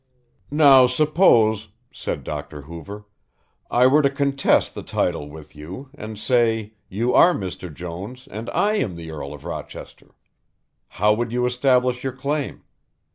"Now suppose," said Dr. Hoover, "I were to contest the title with you and say 'you are Mr. Jones and I am the Earl of Rochester,' how would you establish your claim.